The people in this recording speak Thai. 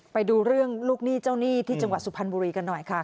ไปดูเรื่องลูกหนี้เจ้าหนี้ที่จังหวัดสุพรรณบุรีกันหน่อยค่ะ